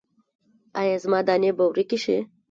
ایا زما دانې به ورکې شي؟